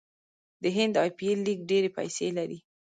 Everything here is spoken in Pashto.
د هند ای پي ایل لیګ ډیرې پیسې لري.